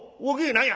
何や？」。